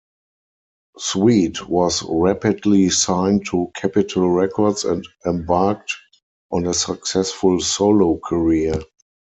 Sweet was rapidly signed to Capitol Records and embarked on a successful solo career.